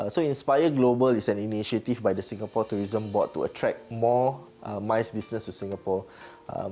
jadi inspire global adalah inisiatif dari singapura tourism board untuk menarik lebih banyak bisnis maiz ke singapura